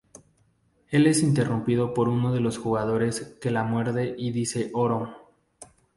Él es interrumpido por uno de los jugadores que la muerde y dice "Oro".